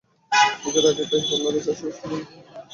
ঈদের আগেই তাই পারলারে একটা ফেসওয়াশ করে নিলে সতেজতা ফিরে আসবে।